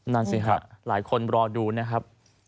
นั่นสิฮะหลายคนรอดูนะครับ